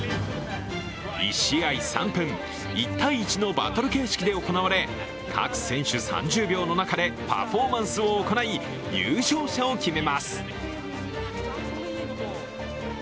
１試合３分、１対１のバトル形式で行われ、各選手３０秒の中でパフォーマンスを行い、優勝者を決めます。